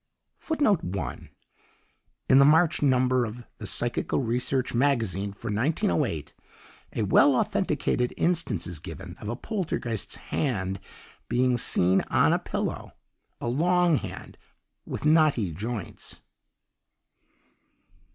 In the March number of the Psychical Research Magazine for 1908, a well authenticated instance is given of a Poltergeist's hand being seen on a pillow "a long hand with knotty joints."